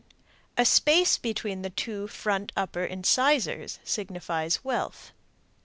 A space between the two front upper incisors signifies wealth.